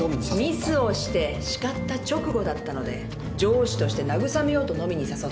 ミスをしてしかった直後だったので上司として慰めようと飲みに誘った。